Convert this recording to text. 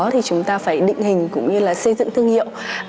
thì chúng ta phải định hình cũng như là xây dựng thương hiệu